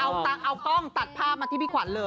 เอาตังค์เอากล้องตัดภาพมาที่พี่ขวัญเลย